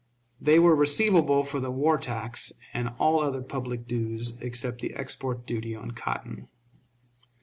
They were receivable for the war tax and all other public dues except the export duty on cotton.